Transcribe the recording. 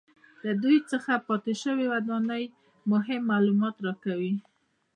له دوی څخه پاتې شوې ودانۍ مهم معلومات راکوي